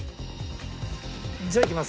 じゃあいきます。